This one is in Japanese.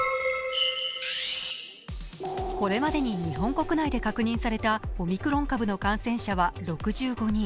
これまでに日本国内で確認されたオミクロン株の感染者は６５人。